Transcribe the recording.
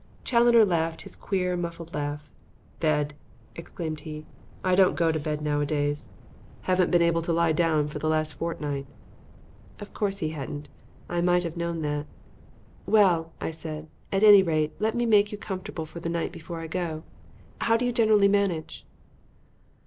Challoner laughed his queer muffled laugh. "Bed!" exclaimed he. "I don't go to bed nowadays. Haven't been able to lie down for the last fortnight." Of course he hadn't. I might have known that. "Well," I said, "at any rate, let me make you comfortable for the night before I go. How do you generally manage?"